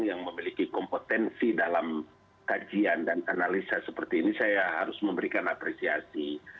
yang memiliki kompetensi dalam kajian dan analisa seperti ini saya harus memberikan apresiasi